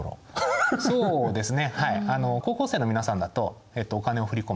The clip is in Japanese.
そうですね。